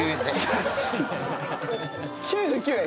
９９円？